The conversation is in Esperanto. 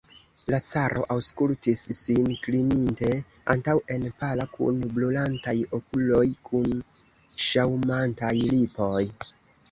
La caro aŭskultis, sin klininte antaŭen, pala, kun brulantaj okuloj, kun ŝaŭmantaj lipoj.